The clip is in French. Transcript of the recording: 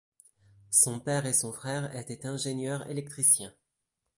Son père et son frère étaient ingénieurs électriciens.